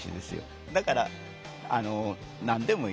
だから何でもいい。